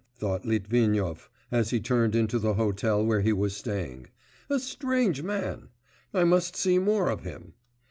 thought Litvinov, as he turned into the hotel where he was staying; 'a strange man! I must see more of him!